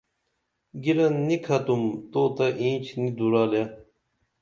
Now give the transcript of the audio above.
گِرَن نِکھتُم تو تہ اینچ نی دُرالے